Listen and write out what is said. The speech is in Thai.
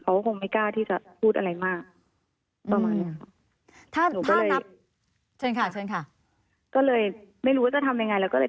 เขาก็คงไม่กล้าที่จะพูดอะไรมากประมาณเนี้ย